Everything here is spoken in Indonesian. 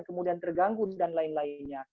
kemudian terganggu dan lain lainnya